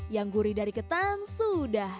yang gurih dari ketan sudah